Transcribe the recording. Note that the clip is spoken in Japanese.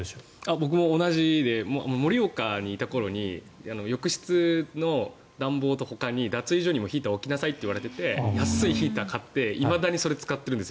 僕も同じで盛岡にいた頃に浴室の暖房とほかに脱衣所にもヒーターを置きなさいと言われていて安いヒーターを買っていまだにそれを使っているんです。